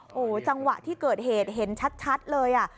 โอ้โหจังหวะที่เกิดเหตุเห็นชัดเลยอ่ะ